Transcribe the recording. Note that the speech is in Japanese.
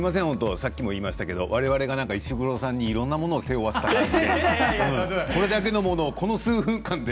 さっきも言いましたがわれわれが石黒さんにいろいろなものを背負わせた感じで。